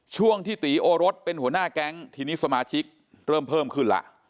ช่วงที่ตีโอรสเป็นหัวหน้าแก๊งทีนี้สมาชิกเริ่มเพิ่มขึ้นแล้ว